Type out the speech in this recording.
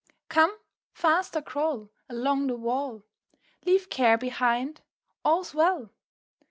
Come! faster crawl Along the wall, Leave care behind, all's well!